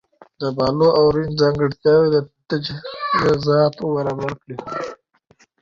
بلو اوریجن ځانګړي تجهیزات برابر کړل.